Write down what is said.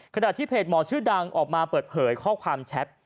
ขณะที่เพจหมอชื่อดังออกมาเปิดเผยข้อความแชท